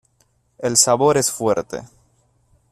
El sabor es fuerte.